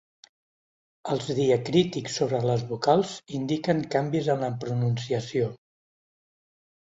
Els diacrítics sobre les vocals indiquen canvis en la pronunciació.